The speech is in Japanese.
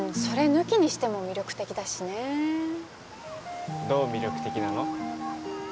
それ抜きにしても魅力的だしねどう魅力的なの？